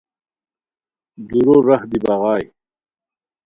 دُورو راہ دی بغائے